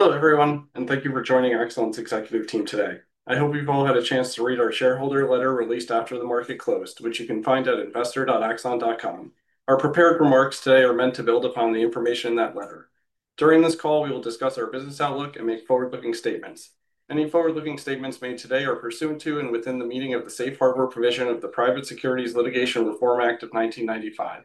Hello everyone and thank you for joining our Axon Enterprise executive team today. I hope you've all had a chance to read our shareholder letter released after the market closed, which you can find at investor.axon.com. Our prepared remarks today are meant to build upon the information in that letter. During this call we will discuss our business outlook and make forward-looking statements. Any forward-looking statements made today are pursuant to and within the meaning of the safe harbor provision of the Private Securities Litigation Reform Act of 1995.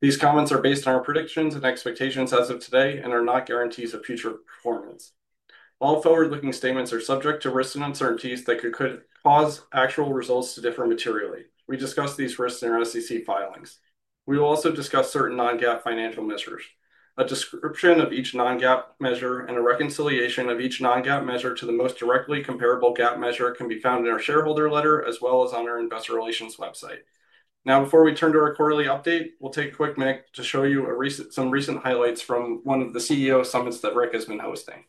These comments are based on our predictions and expectations as of today and are not guarantees of future performance. All forward-looking statements are subject to risks and uncertainties that could cause actual results to differ materially. We discuss these risks in our SEC filings. We will also discuss certain non-GAAP financial measures. A description of each non-GAAP measure and a reconciliation of each non-GAAP measure to the most directly comparable GAAP measure can be found in our shareholder letter as well as on our investor relations website. Now, before we turn to our quarterly update, we'll take a quick moment to show you some recent highlights from one of the CEO summits that Rick has been hosting.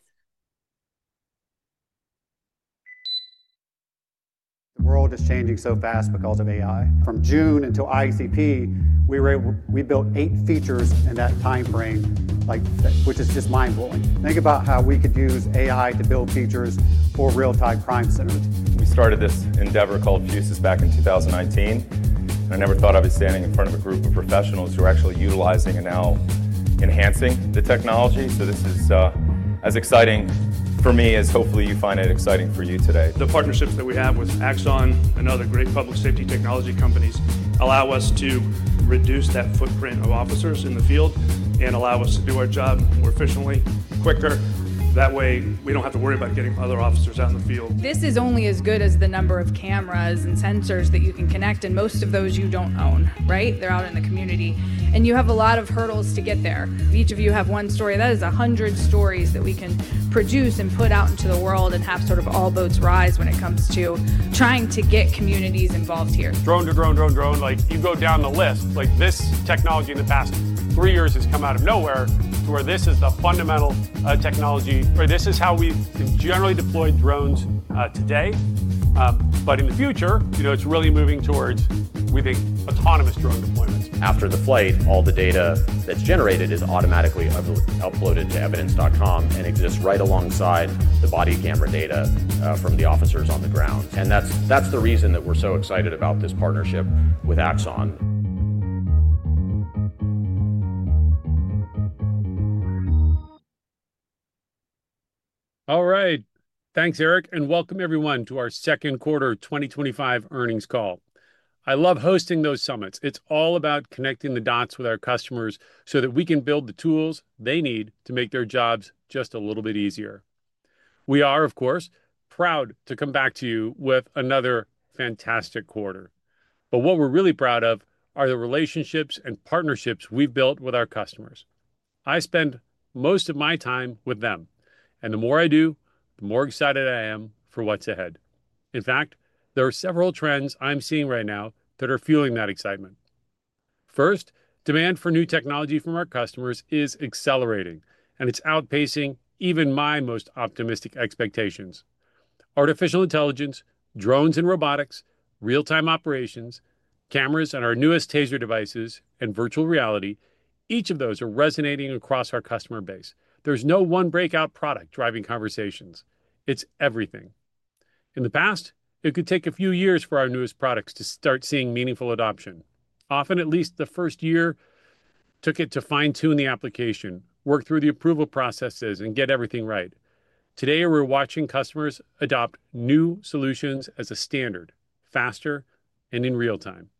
The world is changing so fast because of AI. From June until ICP, we were able, we built eight features in that time frame, which is just mind blowing. Think about how we could use AI to build features for real-time. Crime Cinemas. We started this endeavor called. Fusus back in 2019. I never thought I'd be standing in. Front of a group of professionals. Are actually utilizing and now enhancing the technology. This is as exciting for me. As hopefully you find it exciting for you today. The partnerships that we have with Axon and other great public safety technology companies allow us to reduce that footprint of officers in the field and allow us to do our job more efficiently, quicker. That way we don't have to worry. About getting other officers out in the field. This is only as good as the. Number of cameras and sensors that you. Can connect, and most of those you don't own. Right? They're out in the community, and you. are a lot of hurdles to get there. Each of you have one story that is a hundred stories that we can produce and put out into the world and have sort of all boats. Rise when it comes to trying to. Get communities involved here. Drone to drone, drone drone. You go down the list, this technology in the past three years has come out of nowhere to where this is the fundamental technology or this is how we generally deploy drones today. In the future, it's really moving towards, we think, autonomous drone deployments. After the flight, all the data that's generated is automatically uploaded to Axon Evidence and exists right alongside the body camera data from the officers on the ground. That is the reason that we're so excited about this partnership with Axon. All right, thanks, Erik. Welcome everyone to our second quarter 2025 earnings call. I love hosting those summits. It's all about connecting the dots with our customers so that we can build the tools they need to make their jobs just a little bit easier. We are, of course, proud to come back to you with another fantastic quarter. What we're really proud of are the relationships and partnerships we've built with our customers. I spend most of my time with them and the more I do, the more excited I am for what's ahead. In fact, there are several trends I'm seeing right now that are fueling that excitement. First, demand for new technology from our customers is accelerating and it's outpacing even my most optimistic expectations. Artificial intelligence, drones and robotics, real-time operations, cameras and our newest TASER devices and Virtual Reality. Each of those are resonating across our customer base. There's no one breakout product driving conversations. It's everything. In the past, it could take a few years for our newest products to start seeing meaningful adoption. Often, at least the first year took it to fine-tune the application, work through the approval processes and get everything right. Today, we're watching customers adopt new solutions as a standard, faster and in real time.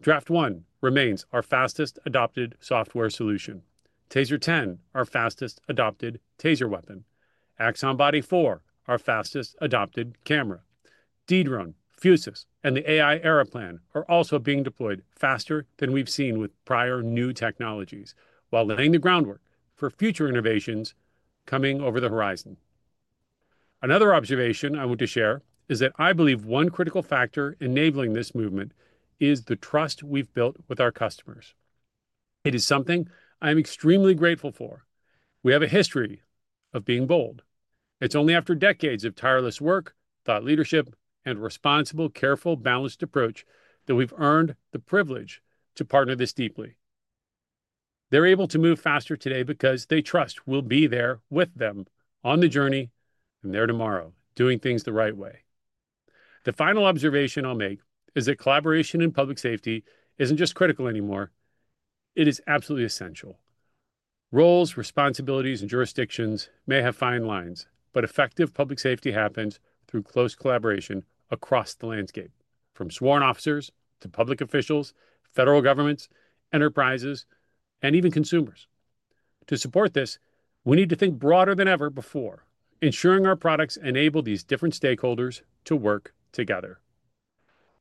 Draft One remains our fastest adopted software solution, TASER 10 our fastest adopted TASER weapon, Axon Body 4 our fastest adopted camera. Dedrone, Fusus and the AI Era Plan are also being deployed faster than we've seen with prior new technologies, while laying the groundwork for future innovations coming over the horizon. Another observation I want to share is that I believe one critical factor enabling this movement is the trust we've built with our customers. It is something I am extremely grateful for. We have a history of being bold. It's only after decades of tireless work, thought leadership and responsible, careful, balanced approach that we've earned the privilege to partner this deeply. They're able to move faster today because they trust we'll be there with them on the journey and there tomorrow doing things the right way. The final observation I'll make is that collaboration in public safety isn't just critical anymore. It is absolutely essential. Roles, responsibilities and jurisdictions may have fine lines, but effective public safety happens through close collaboration across the landscape. From sworn officers to public officials, federal governments, enterprises, and even consumers, to support this, we need to think broader than ever before. Ensuring our products enable these different stakeholders to work together,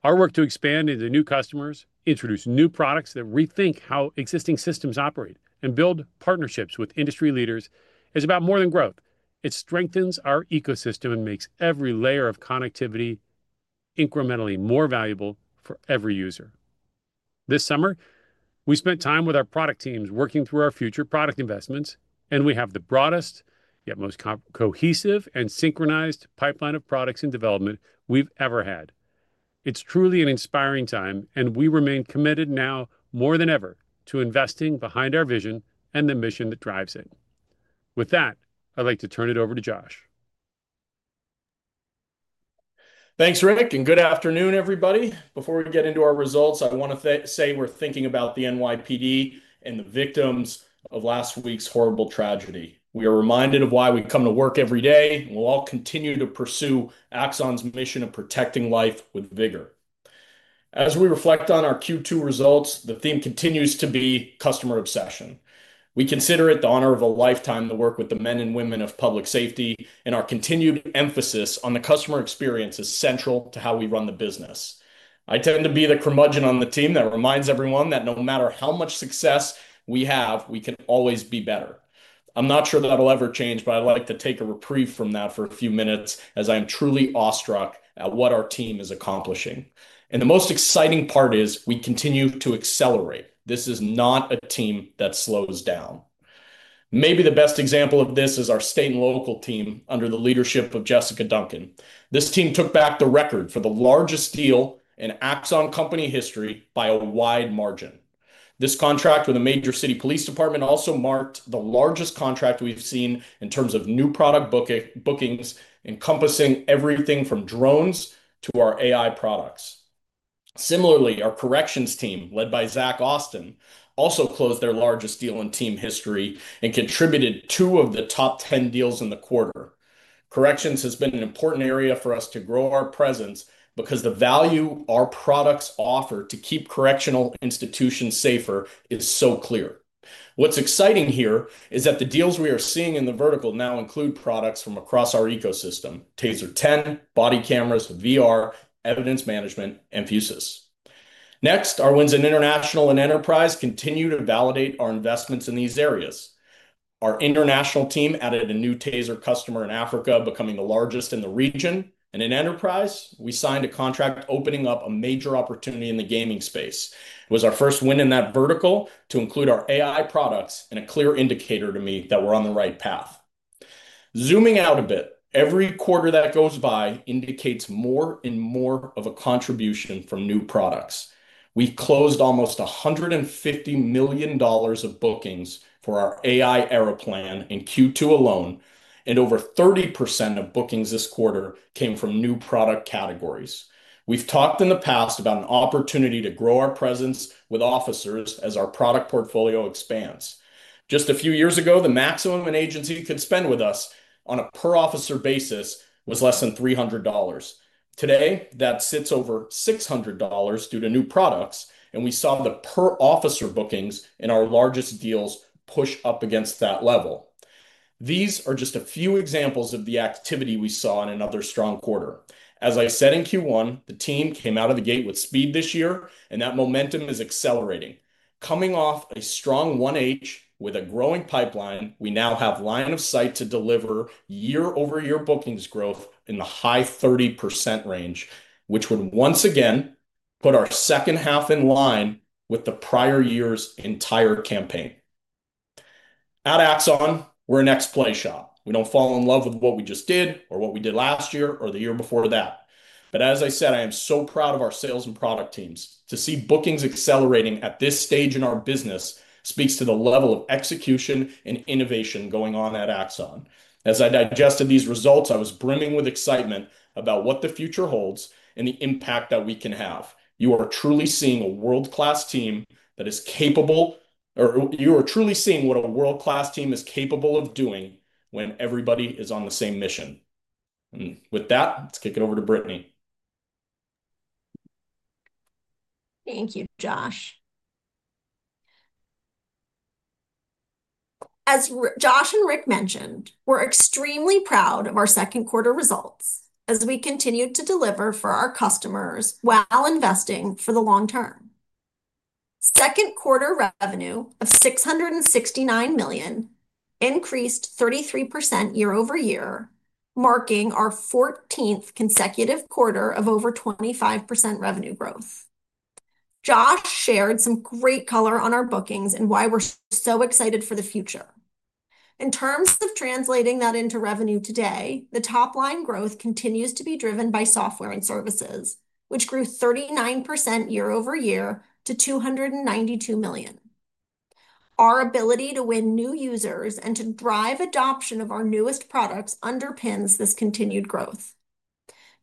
our work to expand into new customers, introduce new products that rethink how existing systems operate, and build partnerships with industry leaders is about more than growth. It strengthens our ecosystem and makes every layer of connectivity incrementally more valuable for every user. This summer we spent time with our product teams working through our future product investments, and we have the broadest, yet most cohesive and synchronized pipeline of products and development we've ever had. It's truly an inspiring time, and we remain committed now more than ever to investing behind our vision and the mission that drives it. With that, I'd like to turn it over to Josh. Thanks, Rick, and good afternoon, everybody. Before we get into our results, I want to say we're thinking about the NYPD and the victims of last week's horrible tragedy. We are reminded of why we come to work every day, and we'll all continue to pursue Axon's mission of protecting life with vigor. As we reflect on our Q2 results, the theme continues to be customer obsession. We consider it the honor of a lifetime to work with the men and women of public safety, and our continued emphasis on the customer experience is central to how we run the business. I tend to be the curmudgeon on the team that reminds everyone that no matter how much success we have, we can always be better. I'm not sure that'll ever change, but I'd like to take a reprieve from that for a few minutes as I am truly awestruck at what our team is accomplishing. The most exciting part is we continue to accelerate. This is not a team that slows down. Maybe the best example of this is our state and local team under the leadership of Jessica Duncan. This team took back the record for the largest deal in Axon company history by a wide margin. This contract with a major city police department also marked the largest contract we've seen in terms of new product bookings, encompassing everything from drones to our AI products. Similarly, our corrections team, led by Zach Austin, also closed their largest deal in team history and contributed two of the top 10 deals in the quarter. Corrections has been an important area for us to grow our presence because the value our products offer to keep correctional institutions safer is so clear. What's exciting here is that the deals we are seeing in the vertical now include products from across our ecosystem: TASER 10, body cameras, VR, evidence management, and Fusus. Next, our wins in international and Enterprise continue to validate our investments in these areas. Our international team added a new TASER customer in Africa, becoming the largest in the region. In Enterprise, we signed a contract opening up a major opportunity in the gaming space. It was our first win in that vertical to include our AI products and a clear indicator to me that we're on the right path. Zooming out a bit, every quarter that goes by indicates more and more of a contribution from new products. We closed almost $150 million of bookings for our AI Era Plan in Q2 alone, and over 30% of bookings this quarter came from new product categories. We've talked in the past about an opportunity to grow our presence with officers as our product portfolio expands. Just a few years ago, the maximum an agency could spend with us on a per officer basis was less than $300. Today, that sits over $600 due to new products, and we saw the per officer bookings in our largest deals push up against that level. These are just a few examples of the activity we saw in another strong quarter. As I said in Q1, the team came out of the gate with speed this year, and that momentum is accelerating. Coming off a strong 1H with a growing pipeline, we now have line of sight to deliver year-over-year bookings growth in the high 30% range, which would once again put our second half in line with the prior year's entire campaign. At Axon, we're an ex play shop. We don't fall in love with what we just did or what we did last year or the year before that. As I said, I am so proud of our sales and product teams. To see bookings accelerating at this stage in our business speaks to the level of execution and innovation going on at Axon. As I digested these results, I was brimming with excitement about what the future holds and the impact that we can have. You are truly seeing a world-class team that is capable, or you are truly seeing what a world-class team is capable of doing when everybody is on the same mission. With that, let's kick it over to Brittany. Thank you, Josh. As Josh and Rick mentioned, we're extremely proud of our second quarter results as we continue to deliver for our customers while investing for the long term. Second quarter revenue of $669 million increased 33% year-over-year, marking our 14th consecutive quarter of over 25% revenue growth. Josh shared some great color on our bookings and why we're so excited for the future in terms of translating that into revenue. Today, the top line growth continues to be driven by software and services, which grew 39% year-over-year to $292 million. Our ability to win new users and to drive adoption of our newest products underpins this continued growth.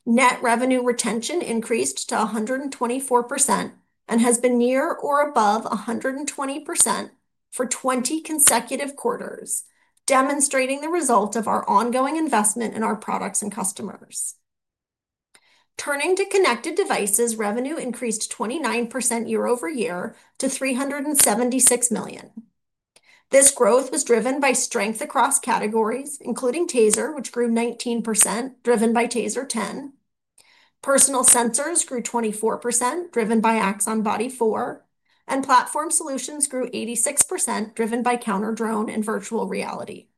Net Revenue Retention increased to 124% and has been near or above 120% for 20 consecutive quarters, demonstrating the result of our ongoing investment in our products and customers. Turning to connected devices, revenue increased 29% year-over-year to $376 million. This growth was driven by strength across categories, including TASER, which grew 19% driven by TASER 10. Personal sensors grew 24% driven by Axon Body 4, and platform solutions grew 86% driven by Counter-Drone and Virtual Reality.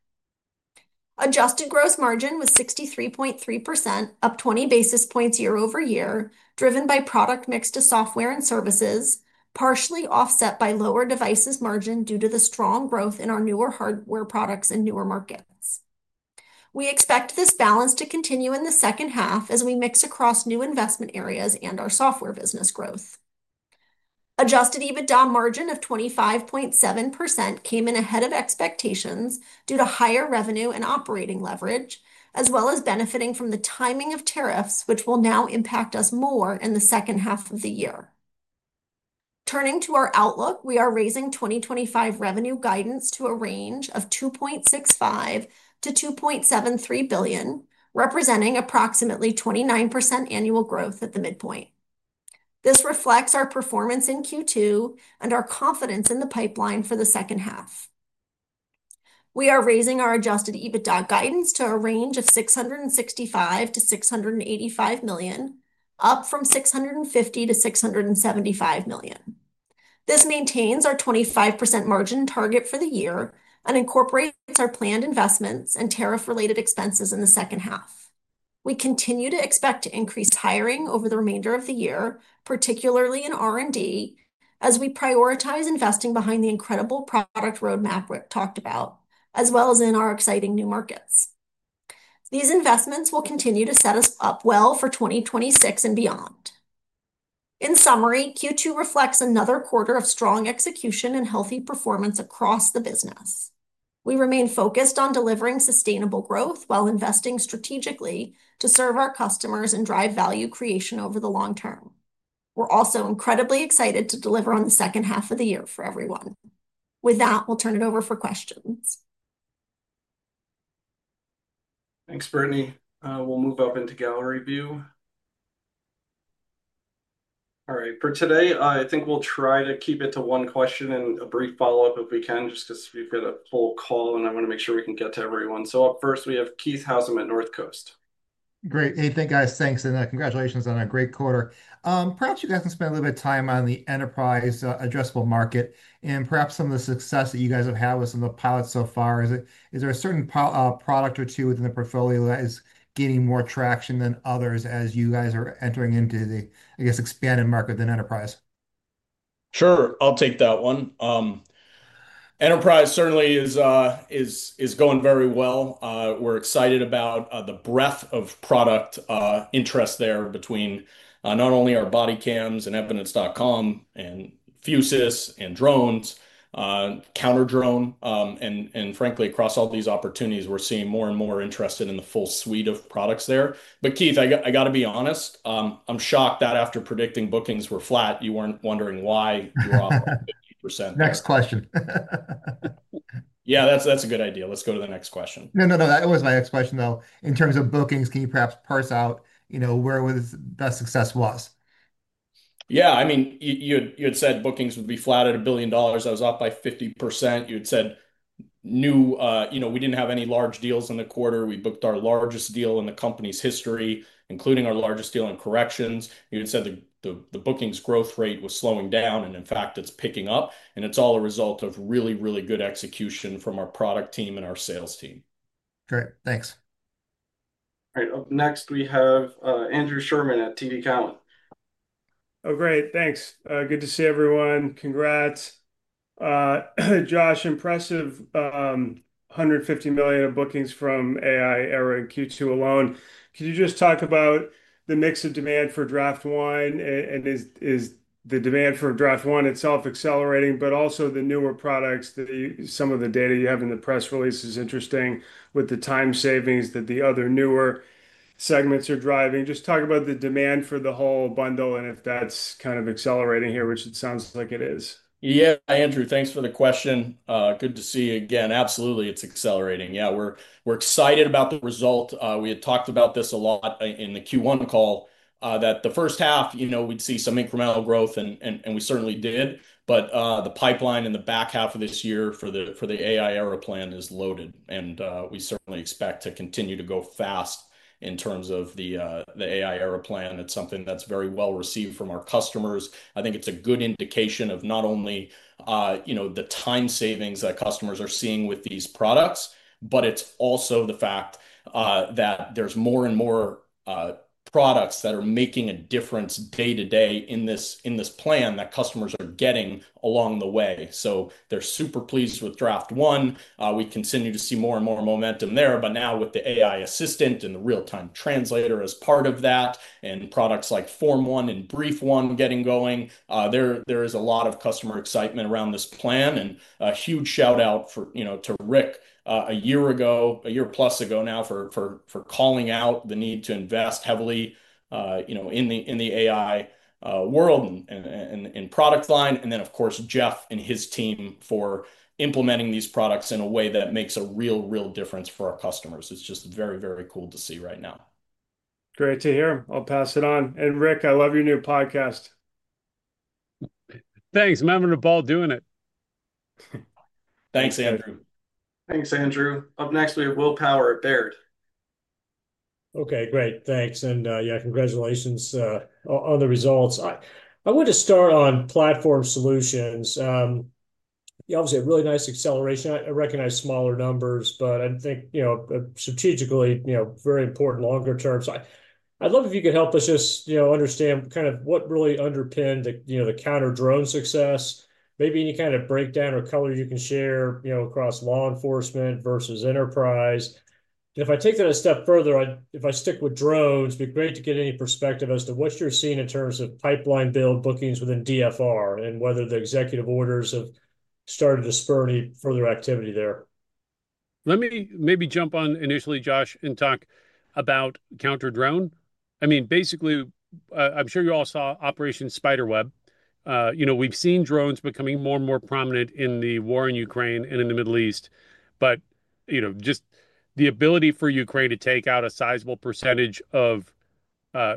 Adjusted gross margin was 63.3%, up 20 basis points year-over-year, driven by product mix to software and services, partially offset by lower devices margin due to the strong growth in our newer hardware products in newer markets. We expect this balance to continue in the second half as we mix across new investment areas and our software business growth. Adjusted EBITDA margin of 25.7% came in ahead of expectations due to higher revenue and operating leverage, as well as benefiting from the timing of tariffs, which will now impact us more in the second half of the year. Turning to our outlook, we are raising 2025 revenue guidance to a range of $2.65 billion-$2.73 billion, representing approximately 29% annual growth at the midpoint. This reflects our performance in Q2 and our confidence in the pipeline. For the second half, we are raising our adjusted EBITDA guidance to a range of $665 million-$685 million, up from $650 million-$675 million. This maintains our 25% margin target for the year and incorporates our planned investments and tariff-related expenses in the second half. We continue to expect increased hiring over the remainder of the year, particularly in R&D as we prioritize investing behind the incredible product roadmap Rick talked about, as well as in our exciting new markets. These investments will continue to set us up well for 2026 and beyond. In summary, Q2 reflects another quarter of strong execution and healthy performance across the business. We remain focused on delivering sustainable growth while investing strategically to serve our customers and drive value creation over the long term. We're also incredibly excited to deliver on the second half of the year for everyone. With that, we'll turn it over for questions. Thanks, Brittany. We'll move up into gallery view. All right, for today I think we'll try to keep it to one question and a brief follow-up if we can, just as we've got a full call and I want to make sure we can get to everyone. Up first we have Keith Housum at Northcoast. Great. Hey, thank you guys. Thanks, and congratulations on a great quarter. Perhaps you guys can spend a little bit of time on the enterprise addressable market and perhaps some of the success that you guys have had with some of the pilots so far. Is there a certain product or two within the portfolio that is gaining more traction than others as you guys are entering into the, I guess, expanded market than enterprise? Sure, I'll take that one. Enterprise certainly is going very well. We're excited about the breadth of product interest there between not only our body cams and evidence.com and Fusus and drones, Counter-Drone, and frankly across all these opportunities we're seeing more and more interest in the full suite of products there. Keith, I gotta be honest, I'm shocked that after predicting bookings were flat, you weren't wondering why you're off 50%. Next question. Yeah, that's a good idea. Let's go to the next question. That was my next question though. In terms of bookings, can you perhaps parse out, you know, where that success was? Yeah, you had said bookings would be flat at $1 billion. I was up by 50%. You had said new. You know, we didn't have any large deals in the quarter. We booked our largest deal in the company's history, including our largest deal in corrections. You had said the bookings growth rate was slowing down, and in fact it's picking up, and it's all a result of really, really good execution from our product team and our sales team. Great, thanks. Up next we have Andrew Sherman at TD Cowen. Oh great, thanks. Good to see everyone. Congrats, Josh. Impressive $150 million of bookings from AI. Era in Q2 alone. Can you just talk about the mix? Is the demand for Draft One itself accelerating? Also the newer products that some. The data you have in the press release is interesting with the time. Savings that the other newer segments are driving. Just talk about the demand for the. Whole bundle, and if that's kind of accelerating here, which it sounds like it is, yeah. Andrew, thanks for the question. Good to see you again. Absolutely. It's accelerating. Yeah, we're excited about the result. We had talked about this a lot in the Q1 call that the first half, you know, we'd see some incremental growth and we certainly did. The pipeline in the back half of this year for the AI Era Plan is loaded and we certainly expect to continue to go fast in terms of the AI Era Plan. It's something that's very well received from our customers. I think it's a good indication of not only the time savings that customers are seeing with these products, but it's also the fact that there's more and more products that are making a difference day to day in this plan that customers are getting along the way. They're super pleased with Draft One. We continue to see more and more momentum there. Now with the AI assistant and the Real-Time translator as part of that, and products like Form One and Brief One getting going, there is a lot of customer excitement around this plan and a huge shout out to Rick a year ago, a year plus ago now for calling out the need to invest heavily in the AI world in product line. Of course, Jeff and his team for implementing these products in a way that makes a real, real difference for our customers. It's just very, very cool to see right now. Great to hear. I'll pass it on. Rick, I love your new podcast. Thanks. Remember to Ball doing it. Thanks, Andrew. Thanks, Andrew. Up next, we have Will Power at Baird. Okay, great, thanks. Yeah, congratulations on the results. I wanted to start on platform solutions. You obviously have really nice acceleration. I recognize smaller numbers, but I think strategically very important longer term. I'd love if you could help us just understand kind of what really underpinned the Counter-Drone success. Maybe any kind of breakdown or color you can share across law enforcement versus enterprise. If I take that a step further, if I stick with drones, it'd be great to get any perspective as to what you're seeing in terms of pipeline build bookings within DFR and whether the executive orders have started to spur any further activity there. Let me maybe jump on initially, Josh, and talk about Counter-Drone. I'm sure you all saw Operation Spiderweb. We've seen drones becoming more and more prominent in the war in Ukraine and in the Middle East. Just the ability for Ukraine to take out a sizable percentage of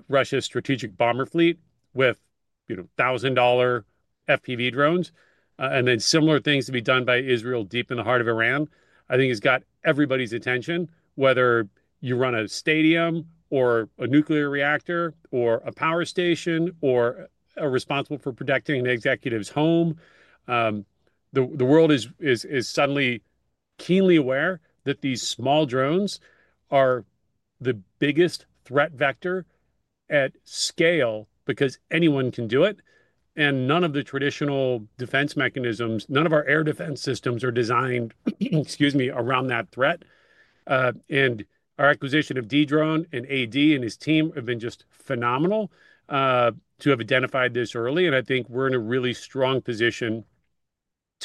Russia's strategic bomber fleet with thousand dollar FPV drones and then similar things to be done by Israel deep in the heart of Iran, I think has got everybody's attention. Whether you run a stadium or a nuclear reactor or a power station, or are responsible for protecting an executive's home, the world is suddenly keenly aware that these small drones are the biggest threat vector at scale, because anyone can do it. None of the traditional defense mechanisms, none of our air defense systems are designed, excuse me, around that threat. Our acquisition of Dedrone and AD and his team have been just phenomenal to have identified this early. I think we're in a really strong position.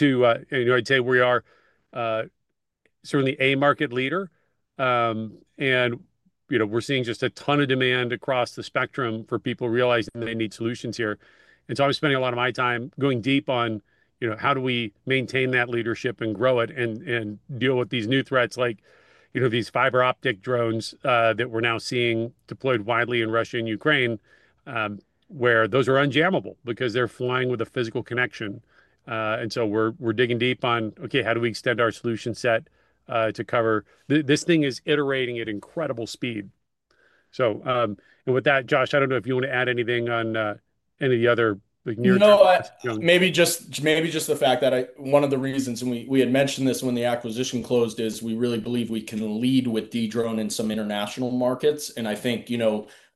I'd say we are certainly a market leader and we're seeing just a ton of demand across the spectrum for people realizing they need solutions here. I was spending a lot of my time going deep on how do we maintain that leadership and grow it and deal with these new threats, like these fiber optic drones that we're now seeing deployed widely in Russia and Ukraine, where those are unjammable because they're flying with a physical connection. We're digging deep on how do we extend our solution set to cover this. This thing is iterating at incredible speed. Josh, I don't know if you want to add anything on any other. Maybe just the fact that one of the reasons we had mentioned this when the acquisition closed is we really believe we can lead with Dedrone in some international markets. I think,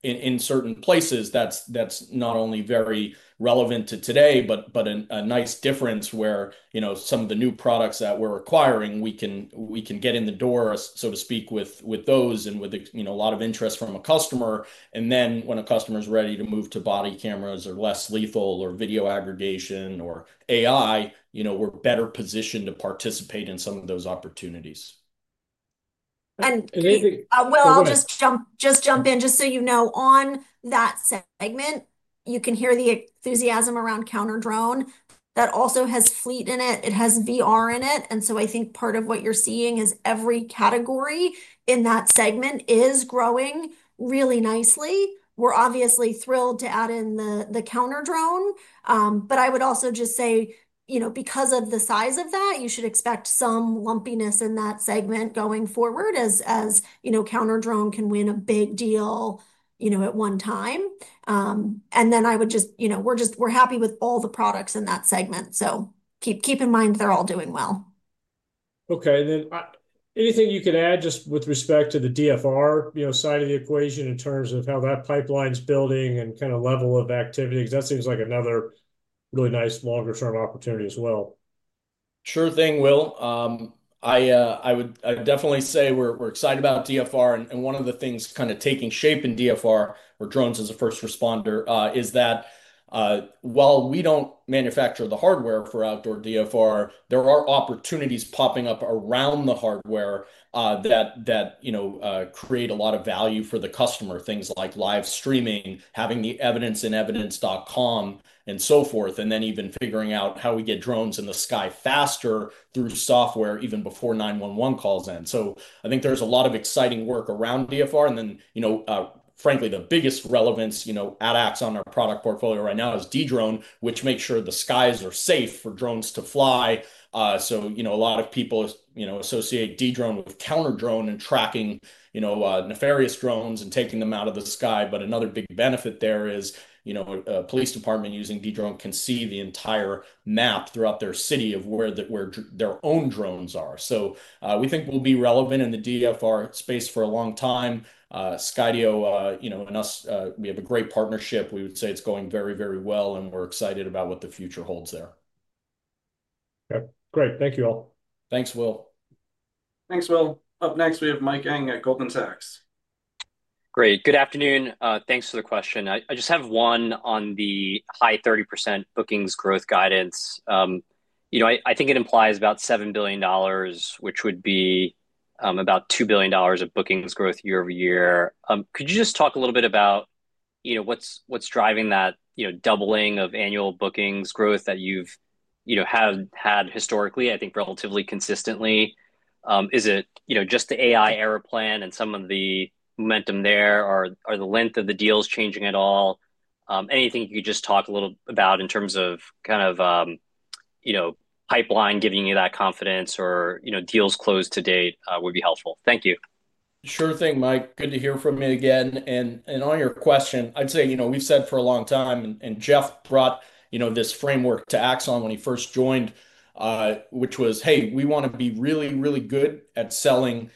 in certain places, that's not only very relevant to today, but a nice difference where some of the new products that we're acquiring, we can get in the door, so to speak, with those and with a lot of interest from a customer. When a customer is ready to move to body cameras or less lethal or video aggregation or AI, we're better positioned to participate in some of those opportunities. I'll just jump in. Just so you know, on that segment, you can hear the enthusiasm around Counter-Drone. That also has Fleet in it, it has VR in it, and I think part of what you're seeing is every category in that segment is growing really nicely. We're obviously thrilled to add in the Counter-Drone, but I would also just say, because of the size of that, you should expect some lumpiness in that segment going forward, as Counter-Drone can win a big deal at one time. I would just say we're happy with all the products in that segment. Keep in mind they're all doing well. Okay. Is there anything you can add just with respect to the DFR side of the equation in terms of how that pipeline's building and kind of level of activity? That seems like another really nice longer term opportunity as well. Sure thing, Will. I would definitely say we're excited about DFR, and one of the things kind of taking shape in DFR, or drones as a first responder, is that while we don't manufacture the hardware for outdoor DFR, there are opportunities popping up around the hardware that create a lot of value for the customer. Things like live streaming, having the evidence in evidence.com, and so forth. Then even figuring out how we get drones in the sky faster through software, even before 911 calls in. I think there's a lot of exciting work around DFR, and frankly, the biggest relevance at Axon on our product portfolio right now is Dedrone, which makes sure the skies are safe for drones to fly. A lot of people associate Dedrone with Counter-Drone and tracking nefarious drones and taking them out of the sky. Another big benefit there is a police department using Dedrone can see the entire map throughout their city of where their own drones are. We think we'll be relevant in the DFR space for a long time. Skydio and us, we have a great partnership. We would say it's going very, very well, and we're excited about what the future holds there. Great, thank you all. Thanks, Will. Thanks, Will. Up next we have Mike Ng at Goldman Sachs. Great. Good afternoon. Thanks for the question. I just have one on the high 30% bookings growth guidance. I think it implies about. $7 billion, which would be about $2 billion of bookings growth year-over-year. Could you just talk a little bit? About what's driving that doubling of annual bookings growth. That you have had historically. I think relatively consistently. Is it just the AI Era Plan? Are the length of the deals changing at all? Anything you could just talk a little. In terms of kind of pipeline giving you that confidence or deals closed. To date would be helpful. Thank you. Sure thing, Mike. Good to hear from you again. On your question, I'd say we've said for a long time and Jeff brought this framework to Axon when he first joined, which was, hey, we want to be really, really good at selling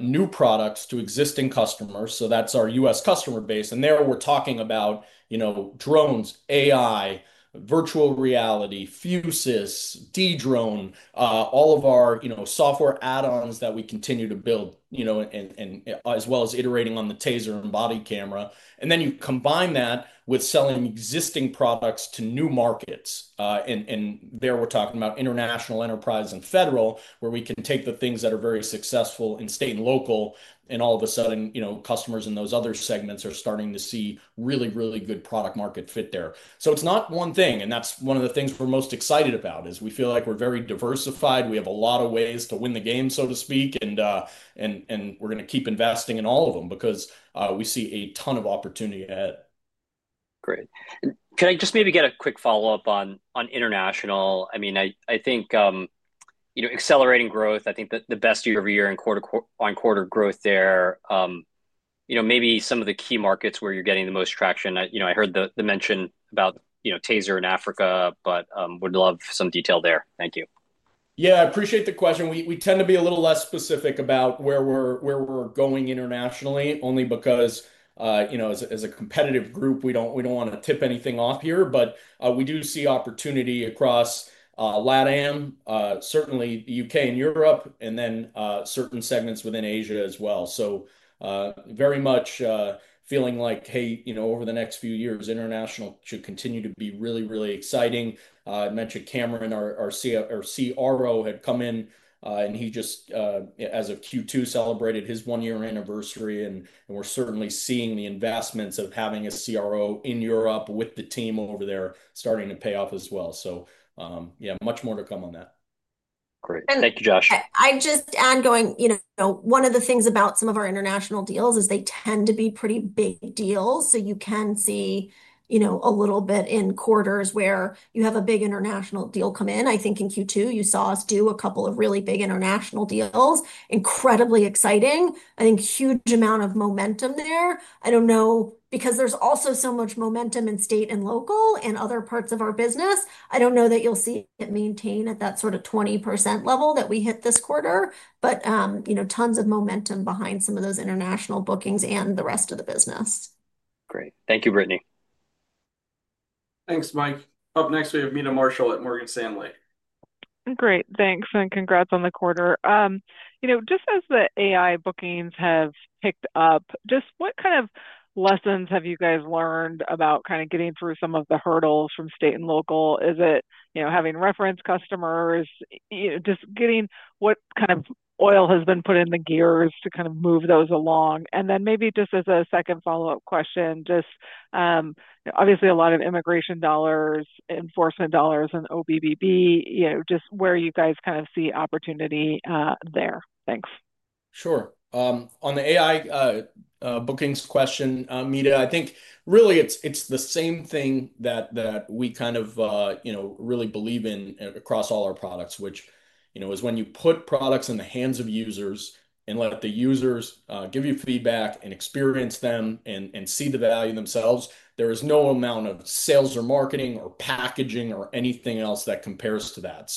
new products to existing customers. That's our U.S. customer base. There we're talking about, you know, drones, AI, Virtual Reality, Fusus, Dedrone, all of our, you know, software add-ons that we continue to build, and as well as iterating on the TASER and body camera. Then you combine that with selling existing products to new markets and there we're talking about international enterprise and where we can take the things that are very successful and stay local. All of a sudden customers in those other segments are starting to see really, really good product market fit there. It's not one thing and that's one of the things we're most excited about because we feel like we're very diversified, we have a lot of ways to win the game, so to speak. We're going to keep investing in all of them because we see a ton of opportunity ahead. Great. Can I just maybe get a quick follow-up on international? I mean, I think, you know, accelerating growth. I think that the best year-over-year and quarter-on-quarter growth there. You know, maybe some of the key. Markets where you're getting the most traction. I heard the mention about. You know, TASER in Africa would. Love some detail there. Thank you. Yeah, I appreciate the question. We tend to be a little less specific about where we're, where we're going internationally only because, you know, as a competitive group we don't want to tip anything off here, but we do see opportunity across LATAM, certainly the U.K. and Europe, and then certain segments within Asia as well. Very much feeling like, hey, over the next few years international should continue to be really, really exciting. I mentioned Cameron, our CRO, had come in and he just as of Q2 celebrated his one year anniversary, and we're certainly seeing the investments of having a CRO in Europe with the team over there starting to pay off as well. Much more to come on that. Great. Thank you, Josh. One of the things about some of our international deals is they tend to be pretty big deals. You can see a little bit in quarters where you have a big international deal come in. I think in Q2 you saw us do a couple of really big international deals. Incredibly exciting. I think huge amount of momentum there. I don't know because there's also so much momentum in state and local and other parts of our business. I don't know that you'll see it maintain at that sort of 20% level that we hit this quarter, but tons of momentum behind some of those international bookings and the rest of the business. Great, thank you, Brittany. Thanks, Mike. Up next, we have Meta Marshall at Morgan Stanley. Great, thanks, and congrats on the quarter. You know, just as the AI bookings have picked up, just what kind of lessons have you guys learned about kind of getting through some of the hurdles from state and local? Is it, you know, having reference customers, you know, just getting what kind of oil has been put in the gears to kind of move those along? Maybe just as a second follow-up question, obviously a lot of immigration dollars, enforcement dollars, and OBBB you know, just where you guys kind of see opportunity there. Thanks. Sure. On the AI bookings question, Meta I think really it's the same thing that we kind of, you know, really believe in across, which is when you put products in the hands of users and let the users give you feedback and experience them and see the value themselves, there is no amount of sales or marketing or packaging or anything else that compares to that.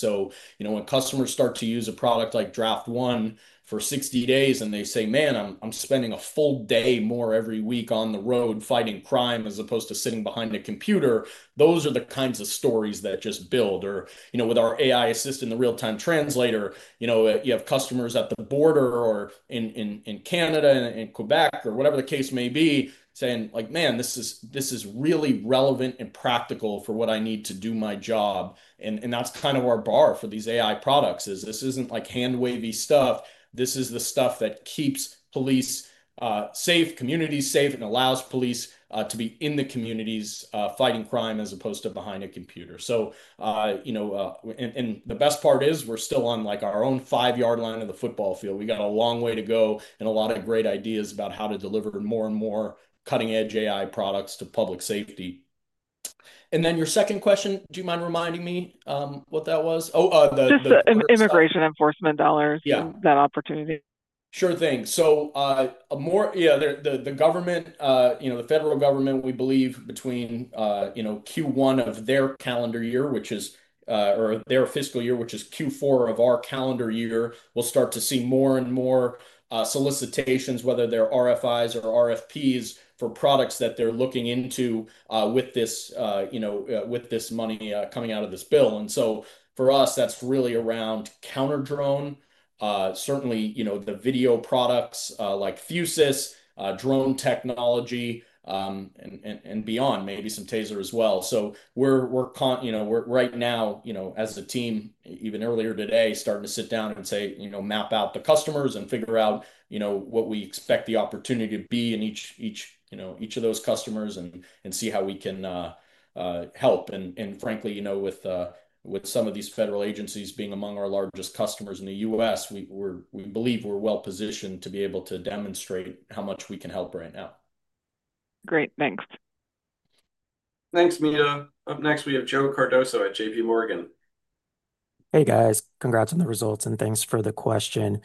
When customers start to use a product like Draft One for 60 days and they say, man, I'm spending a full day more every week on the road fighting crime as opposed to sitting behind a computer, those are the kinds of stories that just build, or with our AI assist in the real-time translator, you have customers at the border or in Canada and Quebec or whatever the case may be saying like, man, this is really relevant and practical for what I need to do my job. That's kind of our bar for these AI products. This isn't like hand wavy stuff. This is the stuff that keeps police safe, communities safe, and allows police to be in the communities fighting crime as opposed to behind a computer. The best part is we're still on like our own five yard line of the football field. We got a long way to go and a lot of great ideas about how to deliver more and more cutting edge AI products to public safety. Your second question, do you mind reminding me what that was? Oh, immigration enforcement dollars. Yeah, that opportunity. Sure thing. The government, you know, the federal government, we believe between Q1 of their calendar year, which is, or their fiscal year, which is Q4 of our calendar year, we'll start to see more and more solicitations, whether they're RFIs or RFPs for products that they're looking into with this money coming out of this bill. For us that's really around Counter-Drone, certainly the video products like Fusus's drone technology and beyond, maybe some TASER as well. Right now as a team, even earlier today, starting to sit down and say, you know, map out the customers and figure out what we expect the opportunity to be in each of those customers and see how we can help. Frankly, with some of these federal agencies being among our largest customers in the U.S., we believe we're well positioned to be able to demonstrate how much we can help right now. Great, thanks. Thanks, Meta. Up next, we have Joe Cardoso at JPMorgan. Hey guys, congrats on the results and thanks for the question.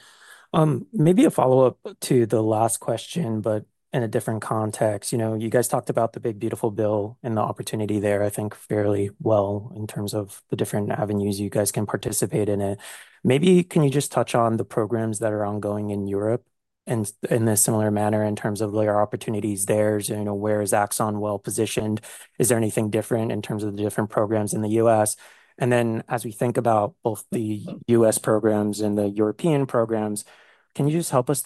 Maybe a follow up to the last question, but in a different context. You know, you guys talked about the Big Beautiful bill and the opportunity there. I think fairly well in terms of the different avenues you guys can participate in it. Maybe can you just touch on the programs that are ongoing in Europe and in a similar manner in terms of their opportunities there. You know, where is Axon well positioned? Is there anything different in terms of the different programs in the U.S. and then as we think about both the U.S. programs and the European programs, can you just help us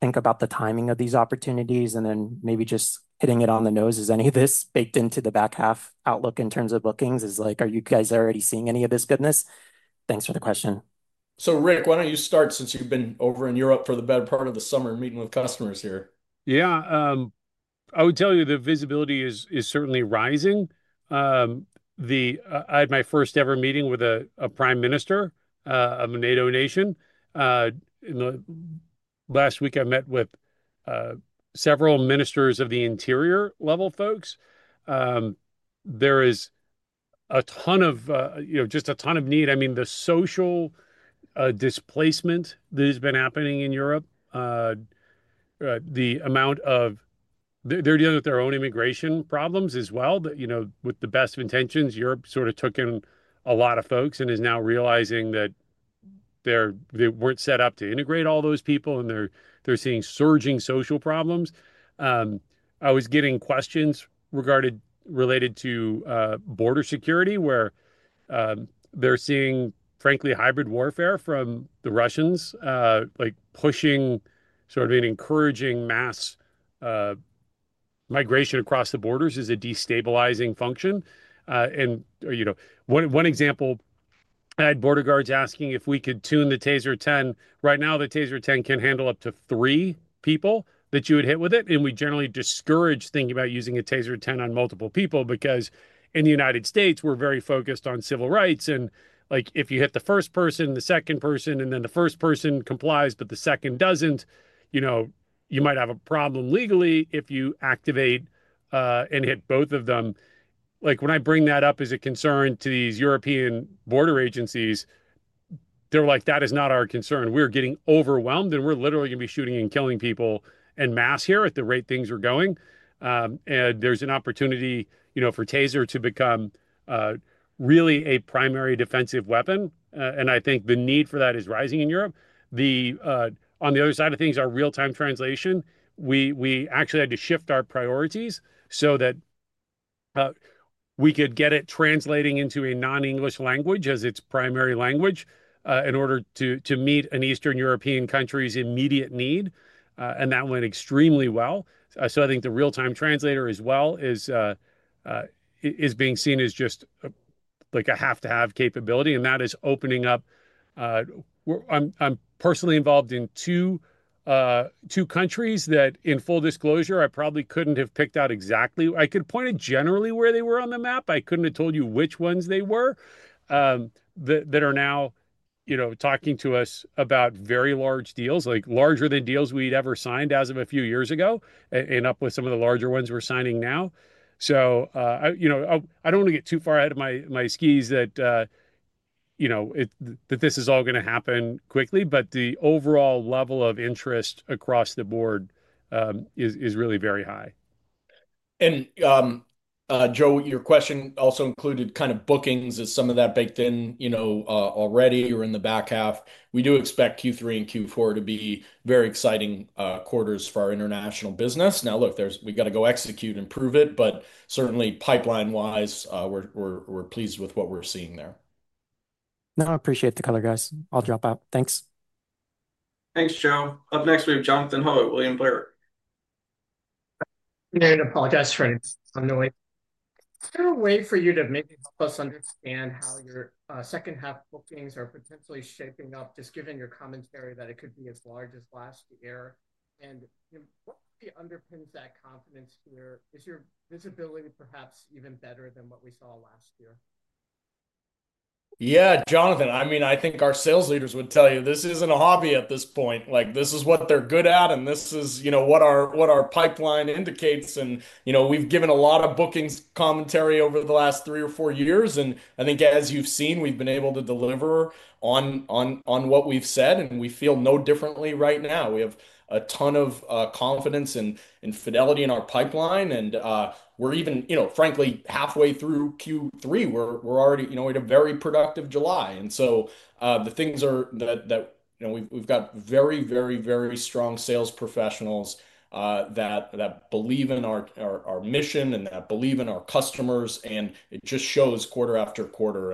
think about the timing of these opportunities and then maybe just hitting it on the nose. Is any of this baked into the? Back half outlook in terms of bookings is like, are you guys already seeing any of this? Goodness. Thanks for the question. Rick, why don't you start since you've been over in Europe for the better part of the summer, meeting with customers here? Yeah. I would tell you the visibility is certainly rising. I had my first ever meeting with a Prime Minister, a NATO nation. Last week I met with several Ministers of the Interior level folks. There is a ton of, you know, just a ton of need. I mean the social displacement that has been happening in Europe, the amount of, they're dealing with their own immigration problems as well that, you know, with the best of intentions, Europe sort of took in a lot of folks and is now realizing that they're, they weren't set up to integrate all those people and they're, they're seeing surging social problems. I was getting questions related to border security where they're seeing frankly hybrid warfare from the Russians, like pushing sort of and encouraging mass migration across the borders as a destabilizing function. One example, I had border guards asking if we could tune the TASER 10. Right now the TASER 10 can handle up to three people that you would hit with it. We generally discourage thinking about using a TASER 10 on multiple people because in the U.S. we're very focused on civil rights. If you hit the first person, the second person, and then the first person complies but the second doesn't, you might have a problem legally if you activate and hit both of them. When I bring that up as a concern to these European border agencies, they're like, that is not our concern. We're getting overwhelmed and we're literally going to be shooting and killing people en masse here at the rate things are going. There is an opportunity for TASER to become really a primary defensive weapon. I think the need for that is rising in Europe. On the other side of things, our real-time translation, we actually had to shift our priorities so that we could get it translating into a non-English language as its primary language in order to meet an Eastern European country's immediate need. That went extremely well. I think the real-time translator as well is being seen as just like a have to have capability and that is opening up. I'm personally involved in two countries that in full disclosure, I probably couldn't have picked out exactly. I could point at generally where they were on the map. I couldn't have told you which ones they were. That are now talking to us about very large deals, like larger than deals we'd ever signed as of a few years ago and up with some of the larger ones we're signing now. I don't want to get too far ahead of my skis that you know that this is all going to happen quickly. The overall level of interest across the board is really very high. Joe, your question also included kind of bookings. Is some of that baked in? You know, already you're in the back half. We do expect Q3 and Q4 to be very exciting quarters for our international business. Now, look, we got to go improve it, but certainly pipeline wise, we're pleased with what we're seeing there. No, I appreciate the color, guys. I'll drop out. Thanks. Thanks, Joe. Up next we have Jonathan Ho, William Blair. Apologize for any on the way. Is there a way for you to? Maybe understand how your second half bookings are potentially shaping up just given your commentary that it could be as large as last year. What underpins that confidence here is your visibility, perhaps even better than what we saw last year. Yeah, Jonathan, I mean, I think our sales leaders would tell you this isn't a hobby at this point. This is what they're good at and this is what our pipeline indicates, and we've given a lot of bookings commentary over the last three or four years. I think as you've seen, we've been able to deliver on what we've said and we feel no differently right now. We have a ton of confidence and fidelity in our pipeline and we're even, frankly, halfway through Q3. We're already, you know, we had a very productive July. The things are that we've got very, very, very strong sales professionals that believe in our mission and that believe in our customers. It just shows quarter after quarter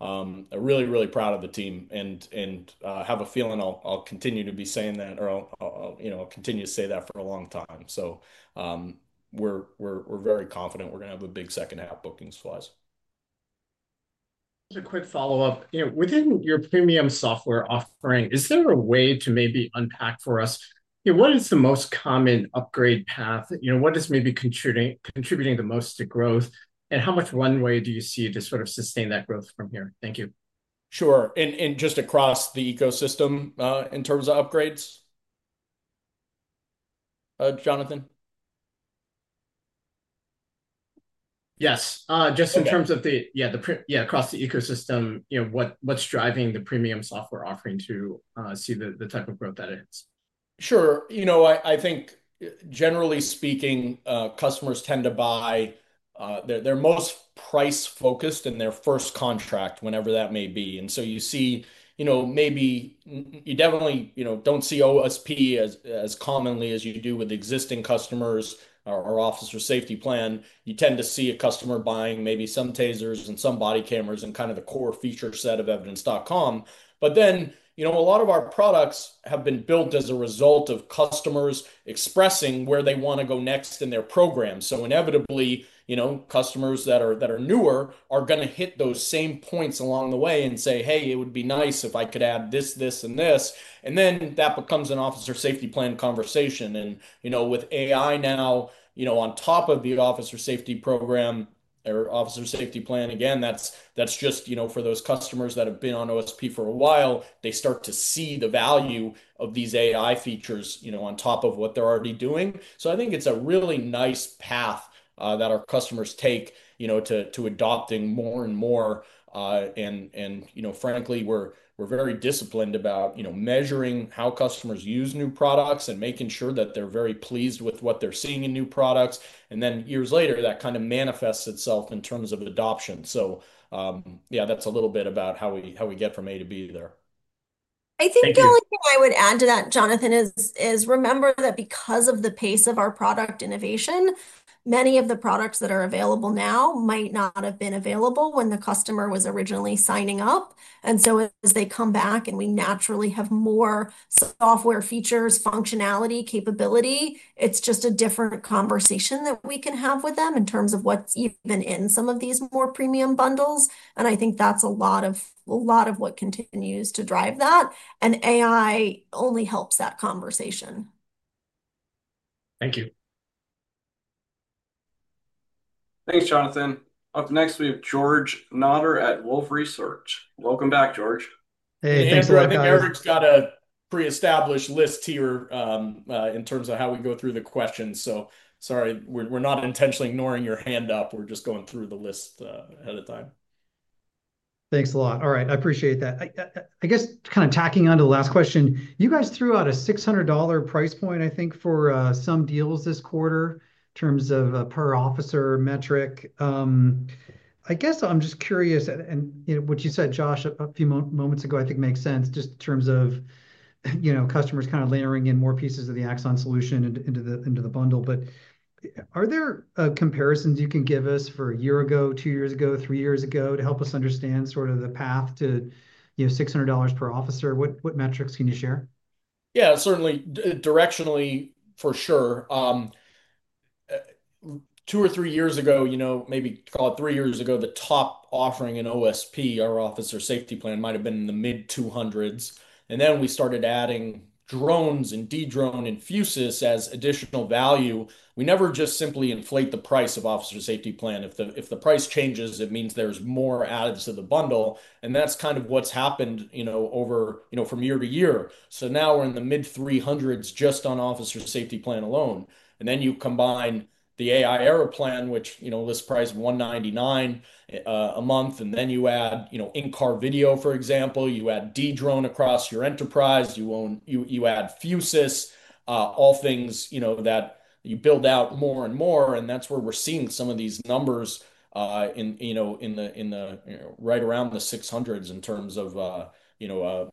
and really, really proud of the team and have a feeling I'll continue to be saying that or I'll continue to say that for time. We're very confident we're going to have a big second half, bookings, flies. A quick follow-up. Within your premium software offering, is there a way to maybe unpack for us? What is the most common upgrade path? What is maybe contributing the most to growth, and how much runway do you see to sustain that growth from here? Thank you. Sure. Across the ecosystem in terms of upgrades, Jonathan. Yes, just in terms of the. Yeah, the. Yeah, across the ecosystem, what's driving the premium software offering to see the type of growth that is? Sure. I think generally speaking, customers tend to buy their most price focused in their first contract, whenever that may be. You definitely don't see OSP as commonly as you do with existing customers or Officer Safety Plan. You tend to see a customer buying maybe some TASERs and some body cameras and kind of the core feature set of evidence.com, but then a lot of our products have been built as a result of customers expressing where they want to go next in their program. Inevitably, customers that are newer are going to hit those same points along the way and say, hey, it would be nice if I could add this, this, and then that becomes an Officer Safety Plan conversation. With AI now on top of the Officer Safety Program or Officer Safety Plan, that's just for those customers that have been on OSP for a while, they start to see the value of these AI features on top of what they're already doing. I think it's a really nice path that our customers take to adopting more and more. Frankly, we're very disciplined about measuring how customers use new products and making sure that they're very pleased with what they're seeing in new products. Years later, that kind of manifests itself in terms of adoption. That's a little bit about how we get from A to B there. I think the only thing I would add to that, Jonathan, is remember that because of the pace of our product innovation, many of the products that are available now might not have been available when the customer was originally signing up. As they come back and we naturally have more software features, functionality, capability, it's just a different conversation that we can have with them in terms of what's even in some of these more premium bundles. I think that's a lot of what continues to drive that. AI only helps that conversation. Thank you. Thanks, Jonathan. Up next, we have George Notter at Wolfe Research. Welcome back, George. Hey, I think Erik's got a pre-established list here in terms of how we go through the questions. Sorry, we're not intentionally ignoring your hand up. We're just going through the list ahead of time. Thanks a lot. All right, I appreciate that. I guess kind of tacking onto the last question, you guys threw out a $600 price point, I think for some deals this quarter in terms of per officer metric. I'm just curious, and what you said, Josh, a few moments ago, I think makes sense just in terms of customers kind of layering in more pieces of the Axon solution into the bundle. Are there comparisons you can give us for a year ago, two years ago, three years ago to help us understand sort of the path to $600 per officer? What metrics can you share? Yeah, certainly, directionally for sure. Two or three years ago, maybe call it three years ago, the top offering in OSP, our Officer Safety Plan, might have been in the mid-$200s. Then we started adding drones and Dedrone and Fusus as additional value. We never just simply inflate the price of Officer Safety Plan. If the price changes, it means there's more adds to the bundle, and that's kind of what's happened from year to year. Now we're in the mid-$300s just on Officer Safety Plan alone. You combine the AI Era Plan, which list price $199 a month, and then you add in car video, for example, you add Dedrone across your enterprise, you add Fusus, all things that you build out more and more. That's where we're seeing some of these numbers right around the $600s in terms of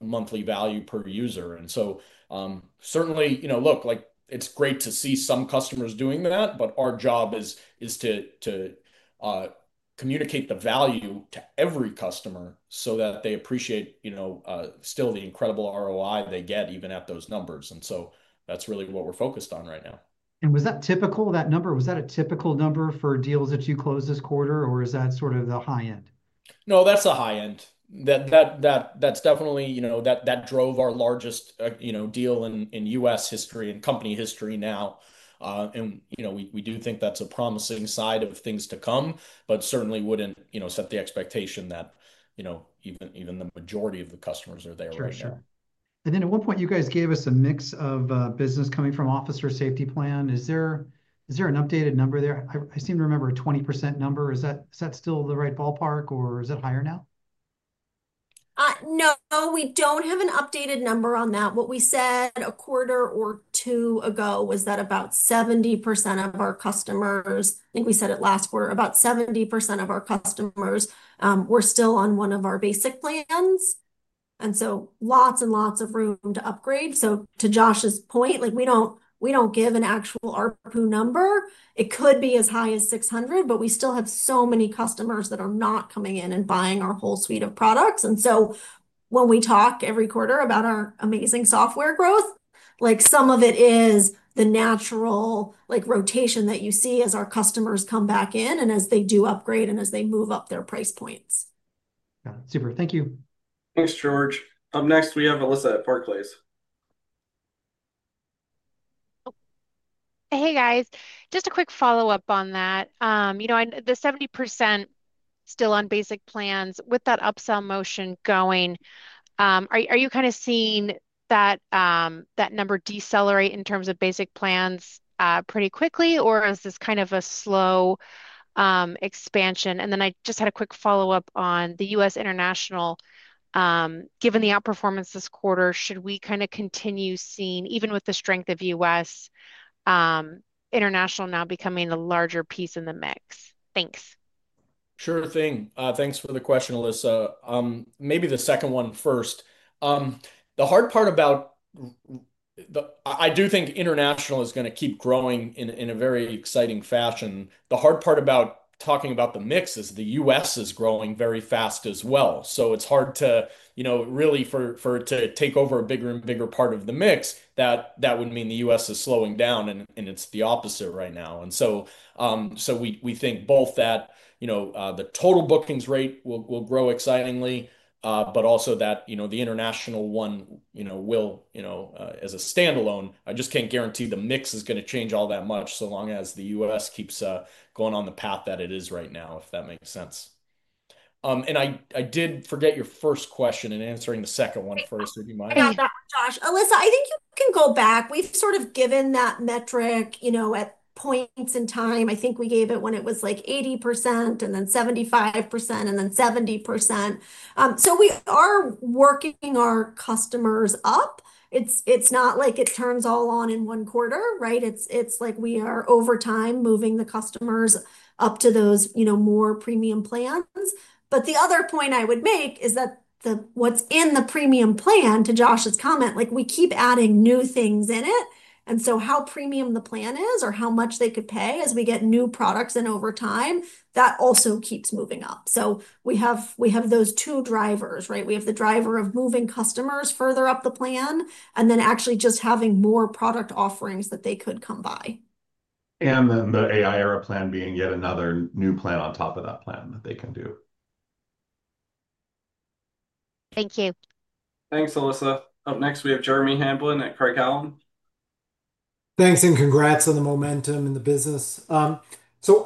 monthly value per user. Certainly, look, it's great to see some customers doing that, but our job is to communicate the value to every customer so that they appreciate still the incredible ROI they get even at those numbers. That's really what we're focused on right now. Was that a typical number for deals that you closed this quarter, or is that sort of the high end? No, that's the high end. That's definitely, you know, that drove our largest deal in U.S. history and company history now. You know, we do think that's a promising side of things to come, but certainly wouldn't set the expectation that, you know, even the majority of the customers are there for sure. At one point, you guys gave us a mix of business coming from Officer Safety Plan. Is there an updated number there? I seem to remember a 20% number. Is that still the right ballpark or is that higher now? No, we don't have an updated number on that. What we said a quarter or two ago was that about 70% of our customers, I think we said it last quarter, about 70% of our customers were still on one of our basic plans. There is lots and lots of room to upgrade. To Josh's point, we don't give an actual ARPU number. It could be as high as $600, but we still have so many customers that are not coming in and buying our whole suite of products. When we talk every quarter about our amazing software growth, some of it is the natural rotation that you see as our customers come back in and as they do upgrade and as they move up their price point. Super. Thank you. Thanks, George. Up next, we have Alyssa at Barclays. Hey guys, just a quick follow up. On that, you know, the 70% still on basic plans. With that upsell motion going, are you? Kind of seeing that number decelerate. Terms of basic plans pretty quickly, or is this kind of a slow expansion? I just had a quick follow-up on the U.S. International. Given the outperformance this quarter, should we kind of continue seeing, even with the. Strength of U.S. International now becoming a. Larger piece in the mix? Thanks. Sure thing. Thanks for the question, Alyssa. Maybe the second one first. I do think international is going to keep growing in a very exciting fashion. The hard part about talking about the mix is the U.S. is growing very fast as well. It's hard to really take over a bigger and bigger part of the mix. That would mean the U.S. is slowing down, and it's the opposite right now. We think both that the total bookings rate will grow excitingly, but also that the international one will as a standalone. I just can't guarantee the mix is going to change all that much so long as the U.S. keeps going on the path that it is right now, if that makes sense. I did forget your first question in answering the second one first. You mind, Josh, Alyssa, I think you can go back. We've sort of given that metric at points in time. I think we gave it when it was like 80% and then 75% and then 70%. We are working our customers up. It's not like it turns all on in one quarter. Right. We are over time moving the customers up to those, you know, more premium plans. The other point I would make is that what's in the premium plan, to Josh's comment, like we keep adding new things in it and how premium the plan is or how much they could pay as we get new products. Over time that also keeps moving up. We have those two drivers, right. We have the driver of moving customers further up the plan and then actually just having more product offerings that they. Could come by. And then the AI Era Plan being yet another new plan on top of that plan that they can do. Thank you. Thanks, Alyssa. Up next, we have Jeremy Hamblin at Craig-Hallum. Thanks, and congrats on the momentum in the business. I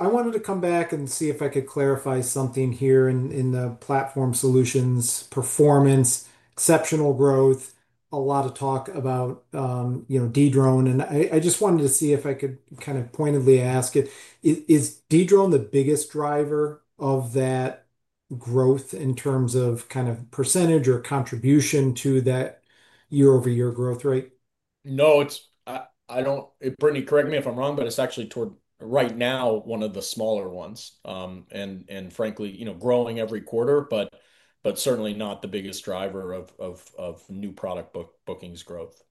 wanted to come back and see if I could clarify something here in the platform solutions. Performance, exceptional growth. A lot of talk about Dedrone, and I just wanted to see if I could kind of pointedly ask it. Is Dedrone the biggest driver of that growth in terms of kind of percentage or contribution to that year-over-year growth rate? No, it's actually toward right now one of the smaller ones and frankly growing every quarter. Certainly not the biggest driver of new product, but bookings growth.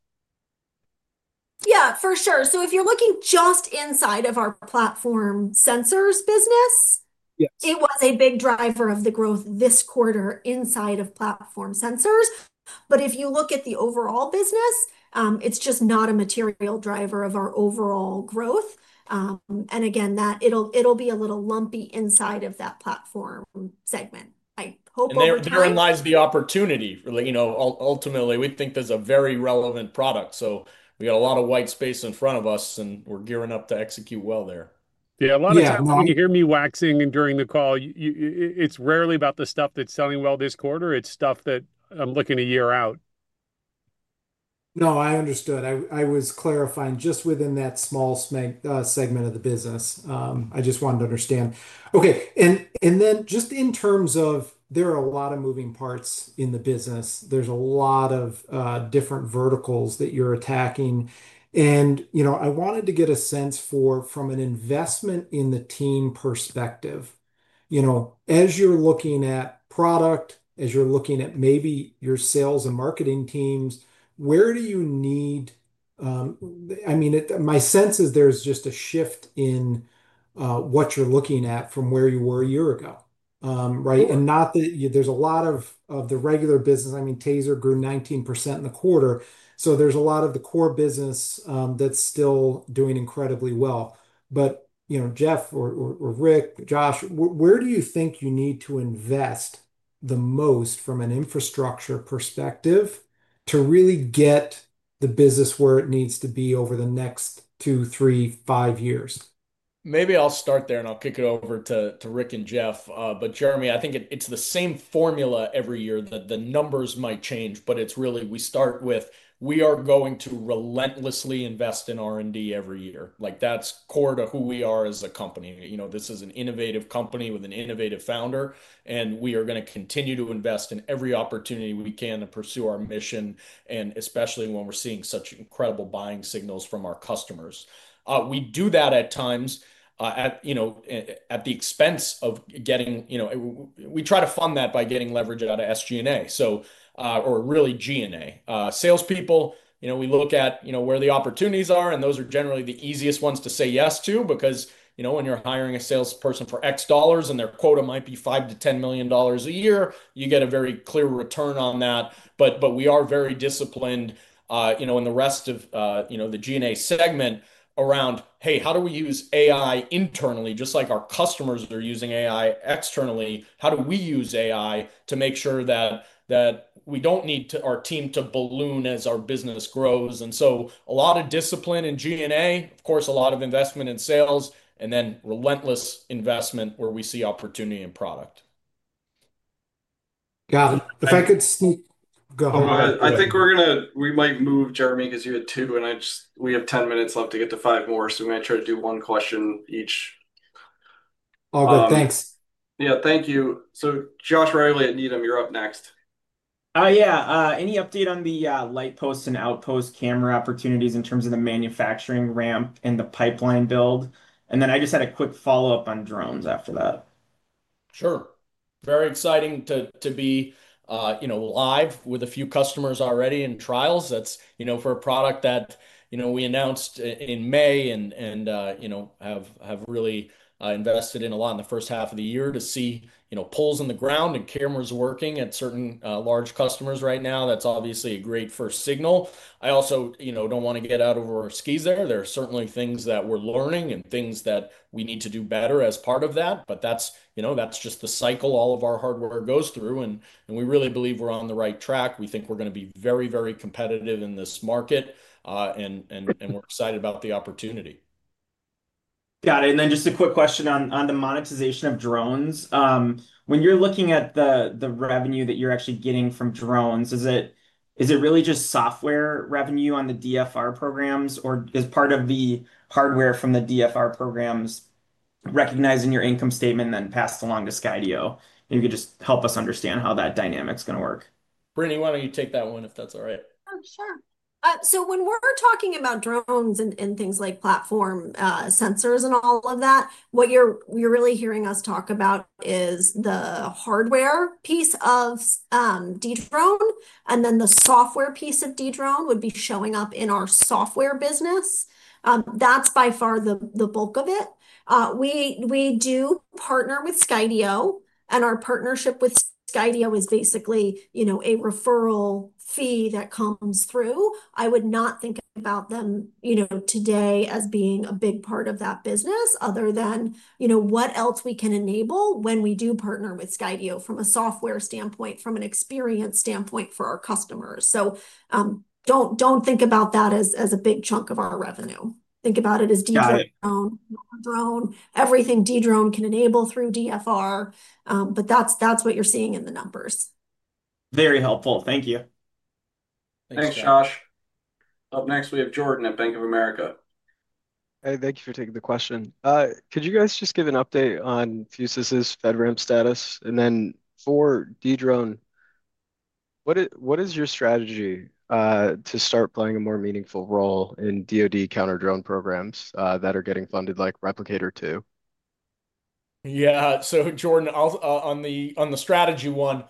If you're looking just inside of our platform sensors business, it was a big driver of the growth this quarter inside of platform sensors. If you look at the overall business, it's just not a material driver of our overall growth. Again, it'll be a little lumpy inside of that platform segment. I hope all of that. Therein lies the opportunity. Ultimately, we think there's a very relevant product. We got a lot of white space in front of us, and we're gearing up to execute well there. Yeah, a lot of times you hear me waxing, and during the call, it's rarely about the stuff that's selling well this quarter. It's stuff that I'm looking a year out. No, I understood. I was clarifying just within that small segment of the business. I just wanted to understand. Okay. There are a lot of moving parts in the business. There's a lot of different verticals that you're attacking. I wanted to get a sense for, from an investment in the team perspective, as you're looking at product, as you're looking at maybe your sales and marketing teams, where do you need. My sense is there's just a shift in what you're looking at from where you were a year ago. Not that there's a lot of the regular business. TASER grew 19% in the quarter, so there's a lot of the core business that's still doing incredibly well. Jeff or Rick, Josh, where do you think you need to invest the most from an infrastructure perspective to really get the business where it needs to be over the next two, three, five years? Maybe I'll start there and I'll kick it over to Rick and Jeff. Jeremy, I think it's the same formula every year that the numbers might change, but it's really, we start with, we are going to relentlessly invest in R&D every year. That's core to who we are as a company. You know, this is an innovative company with an innovative founder. We are going to continue to invest in every opportunity we can to pursue our mission, especially when we're seeing such incredible buying signals from our customers. We do that at times at the expense of getting, you know, we try to fund that by getting leverage out of SG&A, so really G&A salespeople. We look at where the opportunities are, and those are generally the easiest ones to say yes to because when you're hiring a salesperson for X dollars and their quota might be $5 million-$10 million a year, you get a very clear return on that. We are very disciplined in the rest of the G&A segment around, hey, how do we use AI internally, just like our customers are using AI externally? How do we use AI to make sure that we don't need our team to balloon as our business grows? A lot of discipline in G&A, of course, a lot of investment in sales, and then relentless investment where we see opportunity and product. Got it. If I could sneak. Go ahead. I think we're going to. We might move, Jeremy, because you had two and I just. We have 10 minutes left to get to five more, so we might try to do one question each. All good. Thanks. Yeah. Thank you. Josh Reilly at Needham, you're up next. Yeah. Any update on the light post? Outpost camera opportunities in terms of the. Manufacturing ramp and the pipeline build? I just had a quick follow up on drones after that. Sure. Very exciting to be live with a few customers already in trials. That's for a product that we announced in May and have really invested in a lot in the first half of the year. To see poles on the ground and cameras working at certain large customers right now, that's obviously a great first signal. I also don't want to get out over our skis there. There are certainly things that we're learning and things that we need to do better as part of that, but that's just the cycle all of our hardware goes through, and we really believe we're on the right track. We think we're going to be very, very competitive in this market, and we're excited about the opportunity. Got it. Just a quick question on. The monetization of drones, when you're looking at the revenue that you're actually getting from drones, is it. Really just software revenue on the DFR. Programs, or is part of the hardware from the DFR programs recognizing your income. Statement, then passed along to Skydio? You could just help us understand how that dynamic is going to work. Brittany, why don't you take that one, if that's all right? Sure. When we're talking about drones and things like platform sensors and all of that, what you're really hearing us talk about is the hardware piece of Dedrone, and then the software piece of Dedrone would be showing up in our software business. That's by far the bulk of it. We do partner with Skydio, and our partnership with Skydio is basically a referral fee that comes through. I would not think about them today as being a big part of that business, other than what else we can enable when we do partner with Skydio from a software standpoint, from an experience standpoint for our customers. Don't think about that as a big chunk of our revenue. Think about it as Dedrone, everything Dedrone can enable through DFR. That's what you're seeing in the numbers. Very helpful, thank you. Thanks, Josh. Up next, we have Jordan at Bank of America. Hey, thank you for taking the question. Could you guys just give an update on Fusus FedRAMP status, and then for Dedrone, what is your strategy to start playing a more meaningful role. In DoD Counter-Drone programs, that are. Getting funded like Replicator 2? Yeah. Jordan, on the strategy one,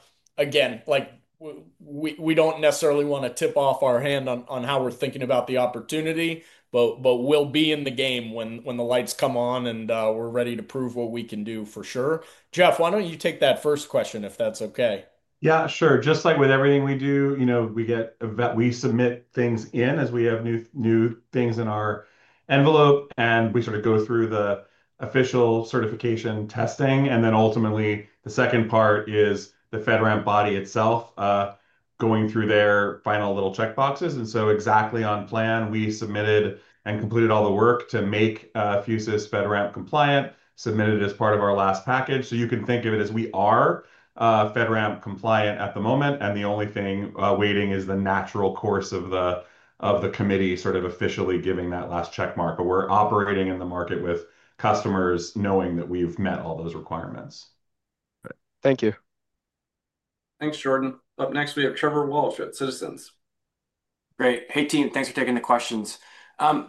we don't necessarily want to tip off our hand on how we're thinking about the opportunity, but we'll be in the game when the lights come on and we're ready to prove what we can do for sure. Jeff, why don't you take that first question, if that's okay? Yeah, sure. Just like with everything we do, you know, we get, we submit things in as we have new, new things in our envelope and we sort of go through the official certification testing. Ultimately, the second part is the FedRAMP body itself going through their final little checkboxes. Exactly on plan. We submitted and completed all the work to make Fusus FedRAMP compliant. Submitted it as part of our last package. You can think of it as we are FedRAMP compliant at the moment. The only thing waiting is the natural course of the committee sort of officially giving that last check mark. We're operating in the market with customers knowing that we've met all those requirements. Thank you. Thanks, Jordan. Up next, we have Trevor Walsh at Citizens. Great. Hey team, thanks for taking the questions.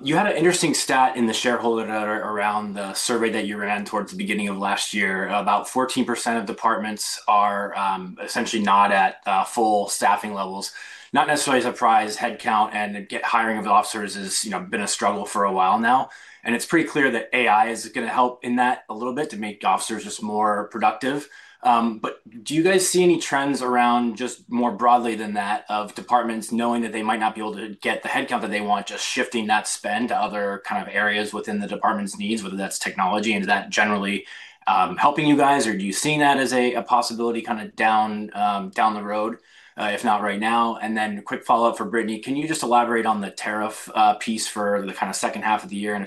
You had an interesting stat in the shareholder around the survey that you ran towards the beginning of last year. About 14% of departments are essentially not at full staffing levels. Headcount and hiring of officers is, you know, been a struggle for a while now, and it's pretty clear that AI is going to help in that a little bit to make officers just more productive. Do you guys see any trends around just more broadly than that of departments knowing that they might not be able to get the headcount that they want, just shifting that spend to other kind of areas within the department's needs, whether that's technology, and is that generally helping you guys, or do you see that as a possibility kind of down the road, if not right now? A quick follow up for Brittany, can you just elaborate on the tariff piece for the kind of second half of the year and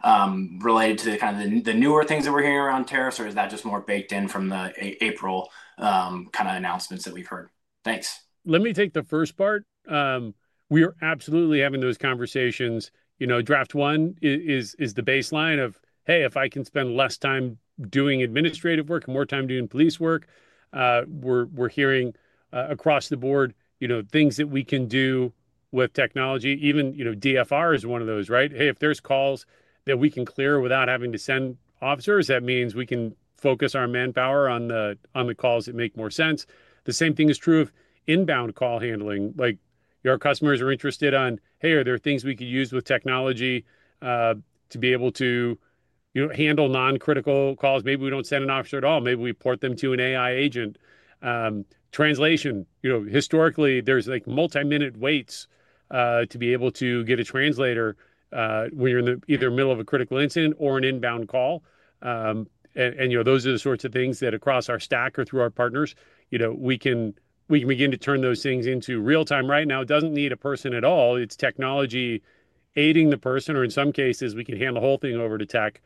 if that's related to kind of the newer things that we're hearing around tariffs, or is that just more baked in from the April kind of announcements that we've heard? Thanks. Let me take the first part. We are absolutely having those conversations. You know, Draft One is the baseline of, hey, if I can spend less time doing administrative work and more time doing police work. We're hearing across the board, you know, things that we can do with technology, even, you know, DFR is one of those. Right. Hey, if there's calls that we can clear without having to send officers, that means we can focus our manpower on the calls that make more sense. The same thing is true of inbound call handling, like your customers are interested on, hey, are there things we could use with technology to be able to, you know, handle non-critical calls? Maybe we don't send an officer at all. Maybe we port them to an AI agent. Translation, you know, historically there's like multi-minute waits to be able to get a translator when you're in either the middle of a critical incident or an inbound call. You know, those are the sorts of things that across our stack or through our partners, we can begin to turn those things into real time. Right now it doesn't need a person at all. It's technology aiding the person, or in some cases we can hand the whole thing over to tech.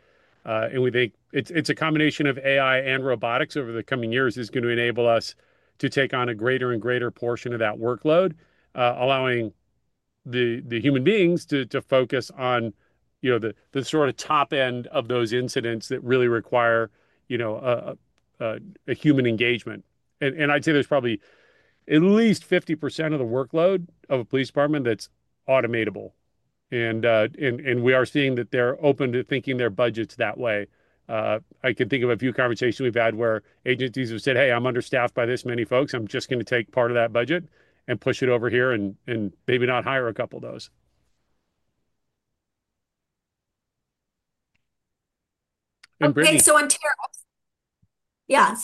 We think it's a combination of AI and robotics over the coming years that is going to enable us to take on a greater and greater portion of that workload, allowing the human beings to focus on the sort of top end of those incidents that really require a human engagement. I'd say there's probably at least 50% of the workload of a police department that's automatable, and we are seeing that they're open to thinking their budgets that way. I can think of a few conversations we've had where agencies have said, hey, I'm understaffed by this many folks. I'm just going to take part of that budget and push it over here and maybe not hire a couple of those. Yeah,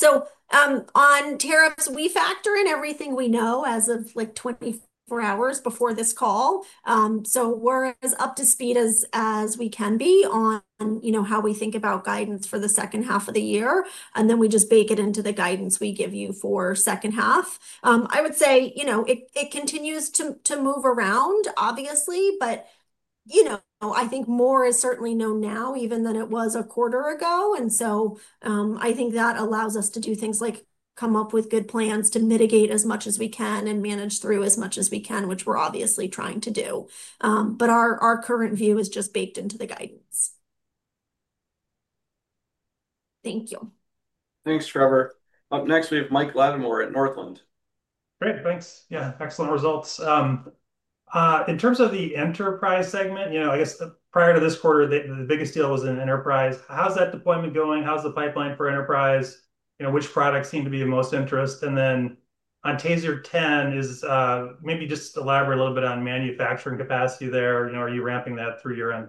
on tariffs we factor in everything we know as of 24 hours before this call. We're as up to speed as we can be on how we think about guidance for the second half of the year, and we just bake it into the guidance we give you for the second half. I would say it continues to move around, obviously, but I think more is certainly known now even than it was a quarter ago. I think that allows us to do things like come up with good plans to mitigate as much as we can and manage through as much as we can, which we're obviously trying to do. Our current view is just baked into the guidance. Thank you. Thanks, Trevor. Up next, we have Mike Latimore at Northland. Great, thanks. Yeah, excellent results in terms of the Enterprise segment. I guess prior to this quarter, the biggest deal was in enterprise. How's that deployment going? How's the pipeline for enterprise? You know, which products seem to be of most interest? On TASER 10, maybe just elaborate a little bit on manufacturing capacity there. Are you ramping that through year end?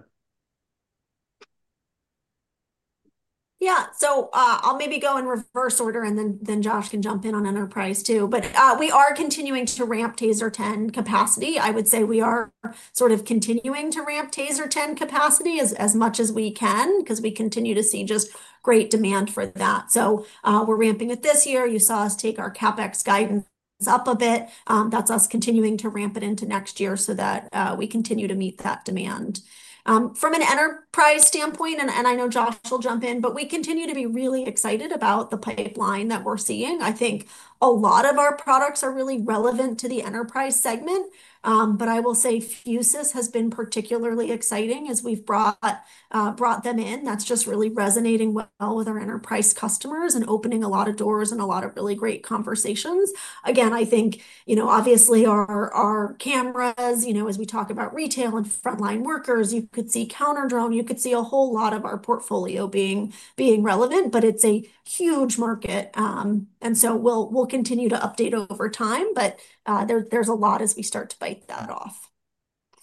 Yeah. I'll maybe go in reverse order, and then Josh can jump in on Enterprise too. We are continuing to ramp TASER 10 capacity. I would say we are sort of continuing to ramp TASER 10 capacity as much as we can because we continue to see just there's great demand for that. We are ramping it this year. You saw us take our CapEx guidance up a bit. That's us continuing to ramp it into next year so that we continue to meet that demand from an Enterprise standpoint. I know Josh will jump in, but we continue to be really excited about the pipeline that we're seeing. I think a lot of our products are really relevant to the Enterprise segment, but I will say Fusus has been particularly exciting as we've brought them in. That's just really resonating with our Enterprise customers and opening a lot of doors and a lot of really great conversations. Again, I think, you know, obviously our cameras, you know, as we talk about retail and frontline workers, you could see Counter-Drone, you could see a whole lot of our portfolio being relevant. It's a huge market, and we will continue to update over time, but there's a lot as we start to bite that off.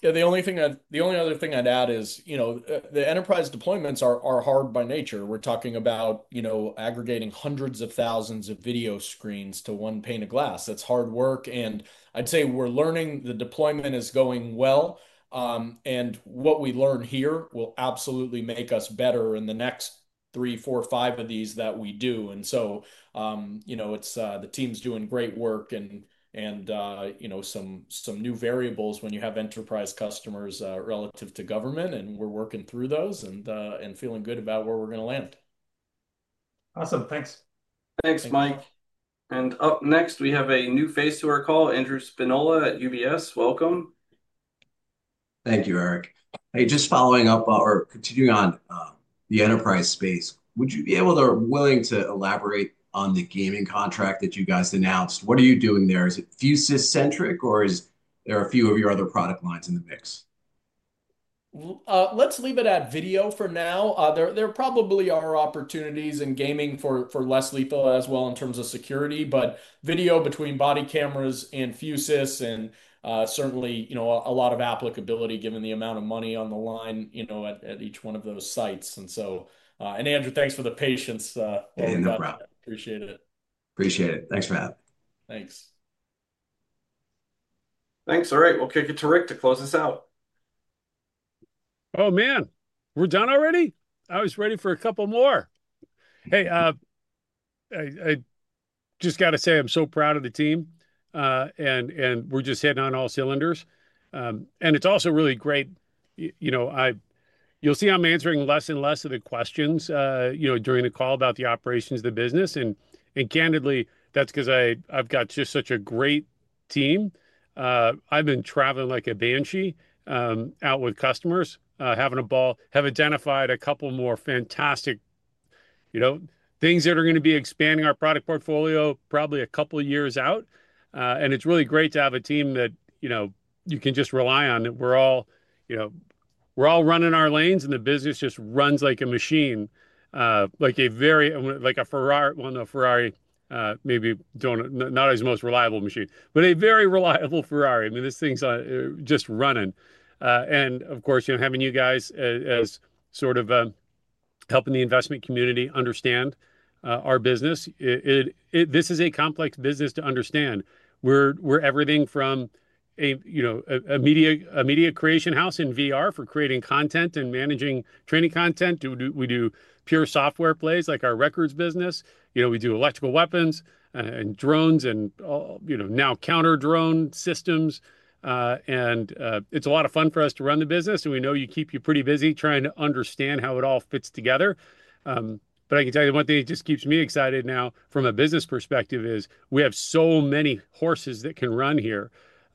Yeah, the only other thing I'd add is, you know, the Enterprise deployments are hard by nature. We're talking about, you know, aggregating hundreds of thousands of video screens to one pane of glass. That's hard work. I'd say we're learning the deployment is going well. What we learn here will absolutely make us better in the next three, four, five of these that we do. It's the team's doing great work and some new variables when you have enterprise customers relative to government, and we're working through those and feeling good about where we're going to land. Awesome, thanks. Thanks, Mike. Up next, we have a new face to our call, Andrew Spinola at UBS. Welcome. Thank you, Eric. Hey, just following up or continuing on. the enterprise space, would you be willing to elaborate on the gaming contract that you guys announced? What are you doing there? Is it Fusus centric or is there a few of your other product lines in the mix? Let's leave it at video for now. There probably are opportunities in gaming for less lethal as well in terms of security, but video between body cameras and Fusus and certainly a lot of applicability given the amount of money on the line at each one of those sites. Andrew, thanks for the patience. Appreciate it. appreciate it. Thanks for having me. All right, we'll kick it to Rick to close this out. Oh man, we're done already. I was ready for a couple more. I just gotta say I'm so proud of the team and we're just heading on all cylinders. It's also really great, you know, you'll see I'm answering less and less of the questions during the call about the operations of the business, and candidly that's because I've got just such a great team. I've been traveling like a banshee out with customers, having a ball, have identified a couple more fantastic things that are going to be expanding our product portfolio probably a couple years out. It's really great to have a team that you know you can just rely on. We're all running our lanes and the business just runs like a machine, like a very, like a Ferrari. Maybe not its most reliable machine, but a very reliable Ferrari. I mean this thing's just running and of course, having you guys as sort of helping the investment community understand our business, this is a complex business to understand. We're everything from a media creation house in Virtual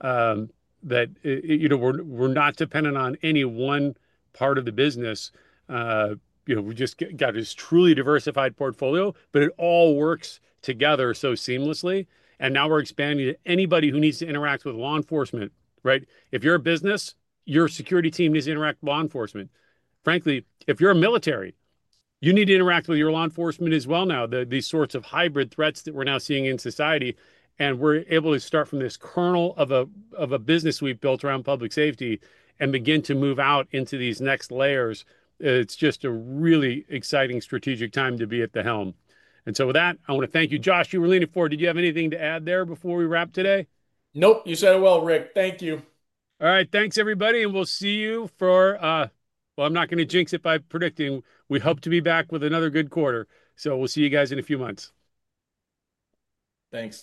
Reality. Now we're expanding to anybody who needs to interact with law enforcement. If you're a business, your security team is interacting with law enforcement. Frankly, if you're military, you need to interact with your law enforcement as well. Now, these sorts of hybrid threats that we're now seeing in society and we're able to start from this kernel of a business we've built around public safety and begin to move out into these next layers. It's just a really exciting strategic time to be at the helm. With that, I want to thank you. Josh, you were leaning forward. Did you have anything to add there before we wrap today? Nope, you said it well, Rick. Thank you. All right. Thanks, everybody. We'll see you for, I'm not going to jinx it by predicting, we hope to be back with another good quarter. We'll see you guys in a few months. Thanks.